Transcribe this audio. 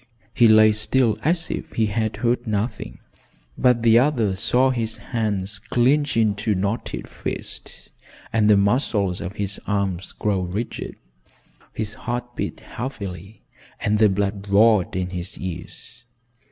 He lay still as if he had heard nothing, but the other saw his hands clinch into knotted fists and the muscles of his arms grow rigid. His heart beat heavily and the blood roared in his ears.